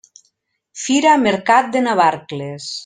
Fira Mercat de Navarcles.